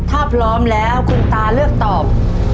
ถ้าพร้อมแล้วคุณตาเลือกตอบ